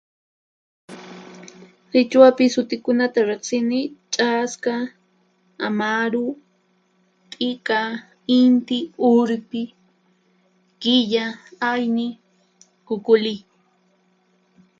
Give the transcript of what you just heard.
Qhichwapi sutikunata riqsini: Ch'aska, Amaru, T'ika, Inti, Urpi, Killa, Ayni, Kukuli.